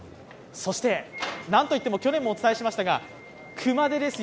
そしてなんといっても去年もお伝えしましたが、熊手ですよ。